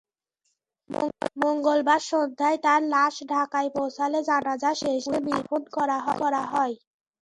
মঙ্গলবার সন্ধ্যায় তাঁর লাশ ঢাকায় পৌঁছালে জানাজা শেষে মিরপুরে দাফন করা হয়।